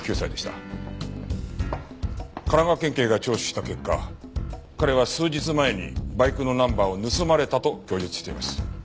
神奈川県警が聴取した結果彼は数日前にバイクのナンバーを盗まれたと供述しています。